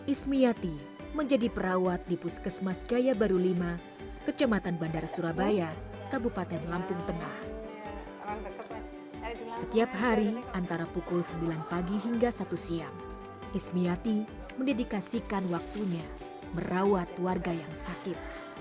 ismiati mendedikasikan waktunya merawat warga yang sakit